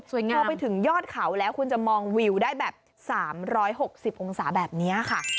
พอไปถึงยอดเขาแล้วคุณจะมองวิวได้แบบ๓๖๐องศาแบบนี้ค่ะ